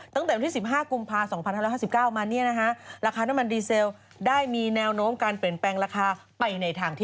ตั้งแต่วันที่๑๕กุมภา๒๕๕๙มาเนี่ยนะฮะราคาน้ำมันดีเซลได้มีแนวโน้มการเปลี่ยนแปลงราคาไปในทางที่